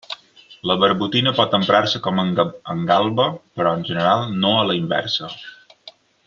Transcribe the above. La barbotina pot emprar-se com a engalba, però en general no a la inversa.